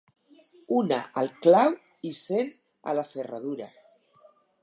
Una al clau i cent a la ferradura.